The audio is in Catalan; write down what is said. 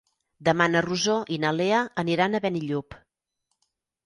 Demà na Rosó i na Lea aniran a Benillup.